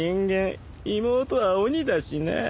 妹は鬼だしなぁ。